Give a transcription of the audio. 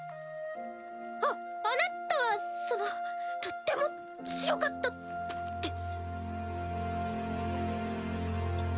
ああなたはそのとっても強かったです。